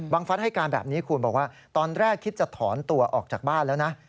ฟัฐให้การแบบนี้คุณบอกว่าตอนแรกคิดจะถอนตัวออกจากบ้านแล้วนะ